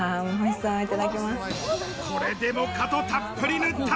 これでもかとたっぷり塗った！